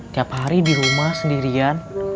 tiap hari di rumah sendirian